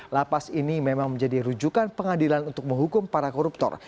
lapas ini memang menjadi rujukan pengadilan untuk menghukum para koruptor